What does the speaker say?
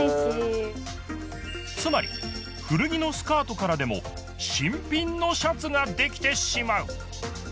つまり古着のスカートからでも新品のシャツができてしまう！